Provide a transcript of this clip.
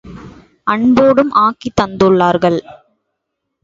அன்போடும் ஆக்கித் தந்துள்ளார்கள்.